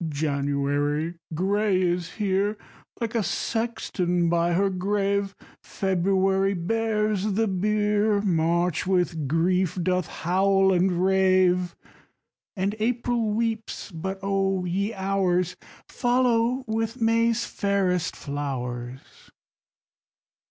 4. January gray is here, Like a sexton by her grave; _20 February bears the bier, March with grief doth howl and rave, And April weeps but, O ye Hours! Follow with May's fairest flowers.